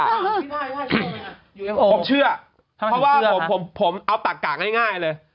ผมเชื่อเพราะว่าผมผมเอาตักกะง่ายเลย